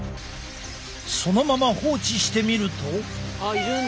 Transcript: そのまま放置してみると。え！